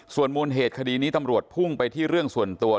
ส่วนมูลเหตุคดีนี้ตำรวจพุ่งไปที่เรื่องส่วนตัว